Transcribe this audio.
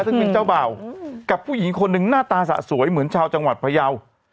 ซึ่งเป็นเจ้าบ่าวกับผู้หญิงคนหนึ่งหน้าตาสะสวยเหมือนชาวจังหวัดพยาว